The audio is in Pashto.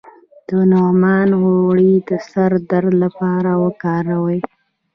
د نعناع غوړي د سر درد لپاره وکاروئ